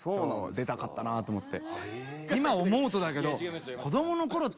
出たかったなと思って。